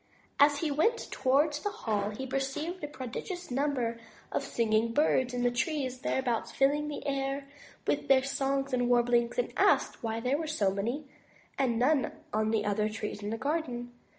As he went towards the hall he perceived a prodigious number of singing birds in the trees thereabouts, filling the air with their songs and warblings, and asked why there were so many and none on the other trees in the garden.